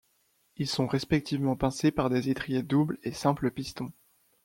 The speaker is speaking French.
Ils sont respectivement pincés par des étriers double et simple pistons.